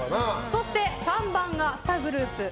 そして３番が２グループ。